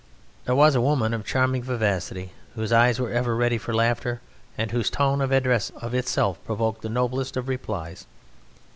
There was a woman of charming vivacity, whose eyes were ever ready for laughter, and whose tone of address of itself provoked the noblest of replies.